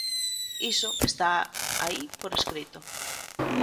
Iso está aí por escrito.